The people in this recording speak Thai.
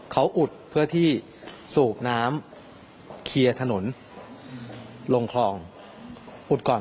เขาอุดเพื่อที่สูบน้ำเคลียร์ถนนลงคลองอุดก่อน